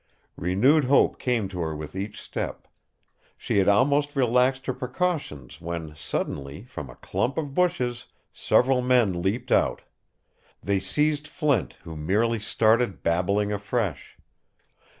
Renewed hope came to her with each step. She had almost relaxed her precautions when, suddenly, from a clump of bushes, several men leaped out. They seized Flint, who merely started babbling afresh.